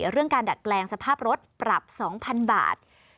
เรื่องการดัดแปลงสภาพรถปรับ๒๐๐๐บาท